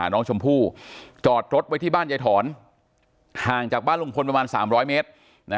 น้องชมพู่จอดรถไว้ที่บ้านยายถอนห่างจากบ้านลุงพลประมาณ๓๐๐เมตร